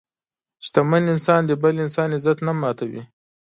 شتمن انسان د بل انسان عزت نه ماتوي.